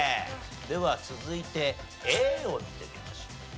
では続いてＡを見てみましょう。